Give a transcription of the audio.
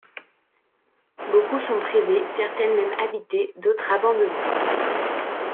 Beaucoup sont privées, certaines même habitées, d'autres abandonnées.